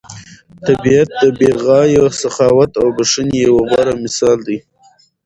طبیعت د بې غایه سخاوت او بښنې یو غوره مثال دی.